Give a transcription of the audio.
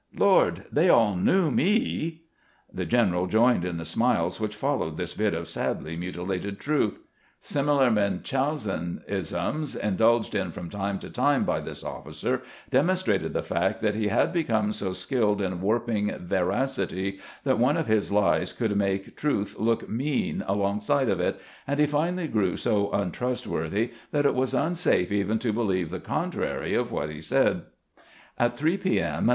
Lord, they all knew me !" The general joined in the smiles which followed this bit of sadly mutilated truth. Similar Munchausenisms, in dulged in from time to time by this officer, demonstrated the fact that he had become so skilled in warping ve 78 CAMPAIGNING WITH GRANT raeity that one of his lies could make truth look mean alongside of it, and he finally grew so untrustworthy that it was unsafe even to believe the contrary of what he said. At 3 p. M.